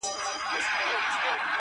• د ژلۍ په دود سرونه تویېدله ,